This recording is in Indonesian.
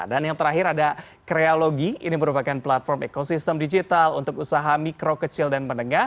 dan yang terakhir ada krealogi ini merupakan platform ekosistem digital untuk usaha mikro kecil dan menengah